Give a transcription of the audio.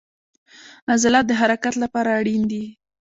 عضلات د حرکت لپاره اړین دي